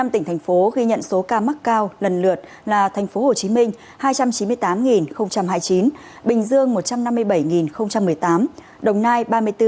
năm tỉnh thành phố ghi nhận số ca mắc cao lần lượt là tp hcm hai trăm chín mươi tám hai mươi chín bình dương một trăm năm mươi bảy một mươi tám đồng nai ba mươi bốn tám trăm một mươi sáu